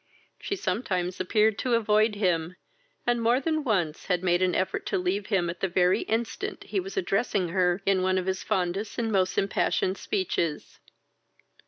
She sometimes appeared to avoid him, and more than once had made an effort to leave him at the very instant he was addressing her in one of his fondest and most impassioned speeches.